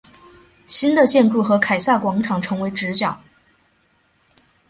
新的建筑和凯撒广场成为直角。